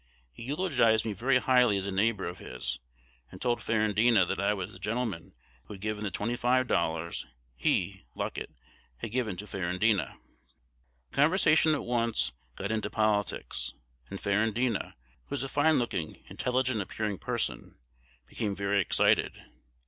He eulogized me very highly as a neighbor of his, and told Ferrandina that I was the gentleman who had given the twenty five dollars he (Luckett) had given to Ferrandina. "The conversation at once got into politics; and Ferrandina, who is a fine looking, intelligent appearing person, became very excited.